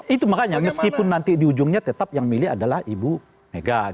itu makanya meskipun nanti di ujungnya tetap yang milih adalah ibu mega